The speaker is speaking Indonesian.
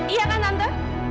iya kan tante